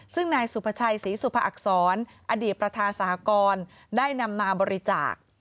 ซึ่งนายสุภาชัยศรีสุภอักษรอดีตประธานสหกรได้นำมาบริจาค